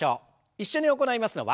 一緒に行いますのは。